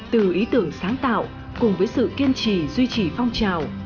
từ ý tưởng sáng tạo cùng với sự kiên trì duy trì phong trào